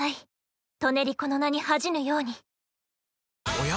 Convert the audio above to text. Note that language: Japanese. おや？